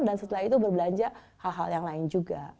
dan setelah itu berbelanja hal hal yang lain juga